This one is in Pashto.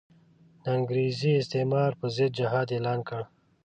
د انګریزي استعمار پر ضد جهاد اعلان کړ.